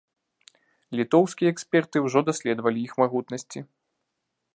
Літоўскія эксперты ўжо даследавалі іх магутнасці.